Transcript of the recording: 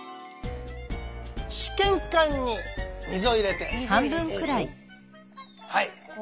試験管に水を入れてはい